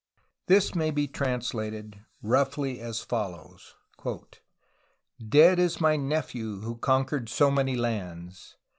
This may be translated roughly as follows: "Dead is my nephew who conquered so many lands!